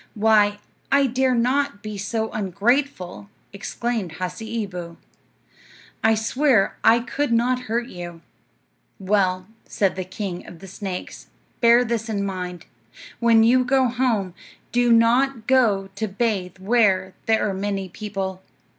"Why, I dare not be so ungrateful," exclaimed Hasseeboo. "I swear I could not hurt you." "Well," said the king of the snakes, "bear this in mind: when you go home, do not go to bathe where there are many people."